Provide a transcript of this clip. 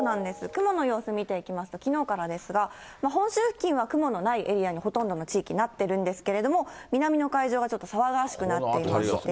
雲の様子見ていきますと、きのうからですが、本州付近は雲のないエリアにほとんどの地域なっているんですけれども、南の海上がちょっと騒がしくなってまして。